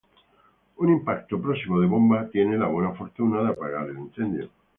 Un impacto próximo de bomba tiene la buena fortuna de apagar el incendio.